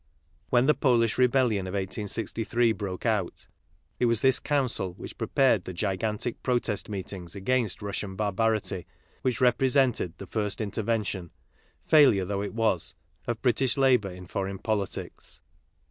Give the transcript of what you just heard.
When the Polish rebellion of 1863 broke out, it was this Council which prepared the gigantic protest meetings against Russian barbarity which represented the first interven tion, failure though it was, of British labour in foreign politics.